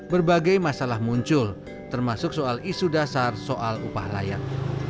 berbagai masalah muncul termasuk soal isu dasar soal upah layak